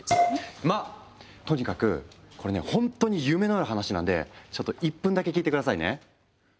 まあとにかくこれねほんとに夢のある話なんでちょっと１分だけ聞いて下さいね。